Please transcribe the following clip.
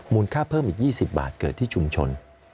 ค่าเพิ่มอีก๒๐บาทเกิดที่ชุมชน